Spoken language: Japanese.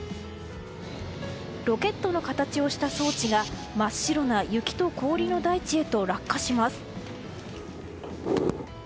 ロケットの形をした装置が真っ白な雪と氷の大地へと落下します。